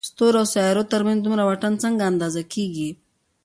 ستورو او سيارو تر منځ دومره واټن څنګه اندازه کېږي؟